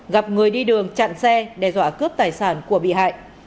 gặp người đi đường chặn xe đe dọa cướp tài sản của bị hại